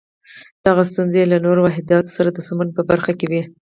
دغه ستونزې یې له نورو واحداتو سره د سمون په برخه کې وې.